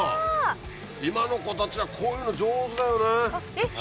今の子たちはこういうの上手だよね。